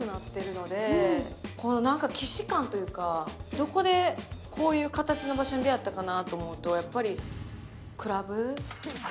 どこでこういう形のとこに出会ったかなというとクラブ？